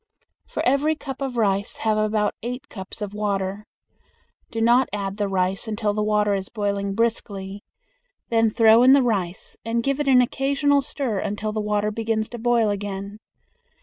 For every cup of rice have about eight cups of water. Do not add the rice until the water is boiling briskly. Then throw in the rice, and give it an occasional stir until the water begins to boil again.